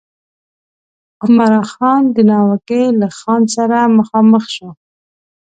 عمرا خان د ناوګي له خان سره مخامخ شو.